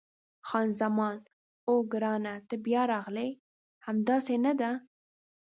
خان زمان: اوه، ګرانه ته بیا راغلې! همداسې نه ده؟